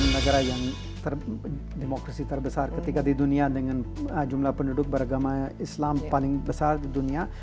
negara yang demokrasi terbesar ketika di dunia dengan jumlah penduduk beragama islam paling besar di dunia